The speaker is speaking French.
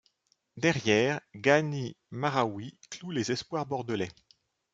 Derrière, Ghani Mahraoui cloue les espoirs bordelais.